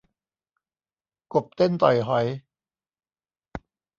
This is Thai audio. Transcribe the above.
กบเต้นต่อยหอย